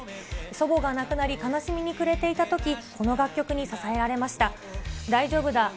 祖母が亡くなり、悲しみに暮れていたとき、この楽曲に支えられました。